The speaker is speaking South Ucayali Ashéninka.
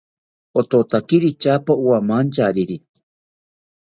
Ototakiri tyaapa owamantyariri